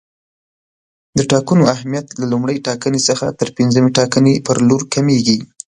د ټاکنو اهمیت له لومړۍ ټاکنې څخه تر پنځمې ټاکنې پر لور کمیږي.